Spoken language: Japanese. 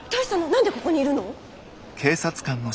何でここにいるの？